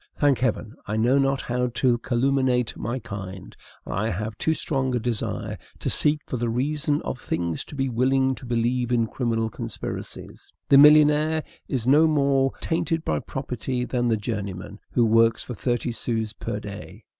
Thank Heaven! I know not how to calumniate my kind; and I have too strong a desire to seek for the reason of things to be willing to believe in criminal conspiracies. The millionnaire is no more tainted by property than the journeyman who works for thirty sous per day.